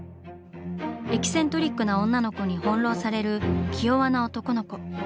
エキセントリックな女の子に翻弄される気弱な男の子。